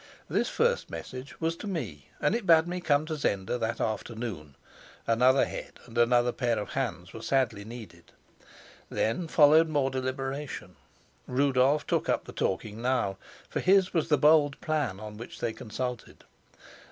This first message was to me, and it bade me come to Zenda that afternoon; another head and another pair of hands were sadly needed. Then followed more deliberation; Rudolf took up the talking now, for his was the bold plan on which they consulted.